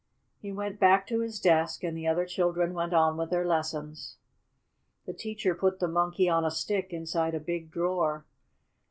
He went back to his desk, and the other children went on with their lessons. The teacher put the Monkey on a Stick inside a big drawer.